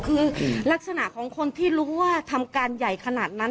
คือลักษณะของคนที่รู้ว่าทำการใหญ่ขนาดนั้น